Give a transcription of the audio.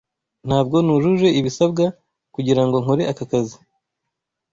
Ntabwo nujuje ibisabwa kugirango nkore aka kazi.